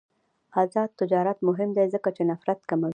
آزاد تجارت مهم دی ځکه چې نفرت کموي.